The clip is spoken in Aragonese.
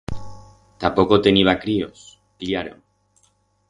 Tapoco teniba críos, cllaro.